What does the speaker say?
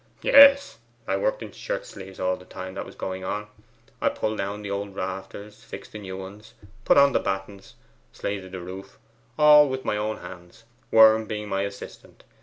'Yes, I worked in shirt sleeves all the time that was going on. I pulled down the old rafters, fixed the new ones, put on the battens, slated the roof, all with my own hands, Worm being my assistant.